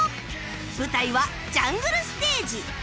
舞台はジャングルステージ